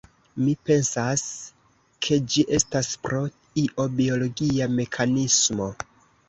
Mi pensas ke ĝi estas pro io biologia mekanismo